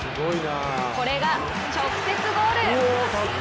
これが直接ゴール。